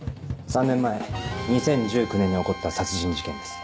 ３年前２０１９年に起こった殺人事件です。